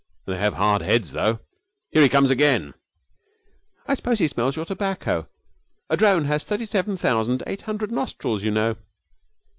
'They have hard heads, though. Here he comes again!' 'I suppose he smells your tobacco. A drone has thirty seven thousand eight hundred nostrils, you know.'